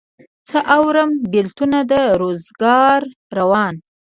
څه اورم بېلتونه د روزګار روان